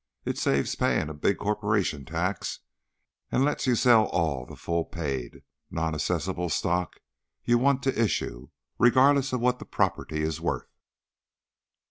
"It saves paying a big corporation tax and lets you sell all the full paid, nonassessable stock you want to issue, regardless of what the property is worth.